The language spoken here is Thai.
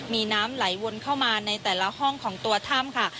มีน้ำไหลวนเข้ามาในแต่ละห้องของตัวถ้ำค่ะ